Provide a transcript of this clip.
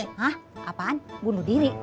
hah apaan bunuh diri